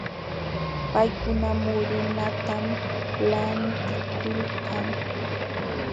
Paykuna muudanatam lantikulkan.